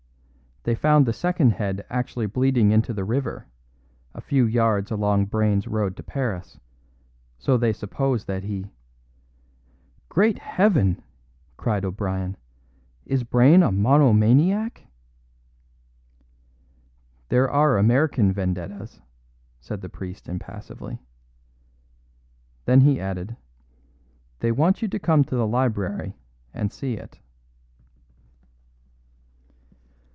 They found the second head actually bleeding into the river, a few yards along Brayne's road to Paris; so they suppose that he " "Great Heaven!" cried O'Brien. "Is Brayne a monomaniac?" "There are American vendettas," said the priest impassively. Then he added: "They want you to come to the library and see it."